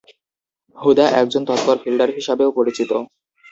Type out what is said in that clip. হুদা একজন তৎপর ফিল্ডার হিসাবেও পরিচিত।